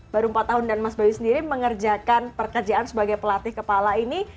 baru empat tahun dan mas bayu sendiri mengerjakan pekerjaan sebagai pelatih kepala ini